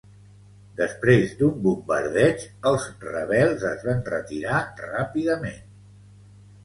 Després d'un bombardeig, els rebels es van retirar ràpidament.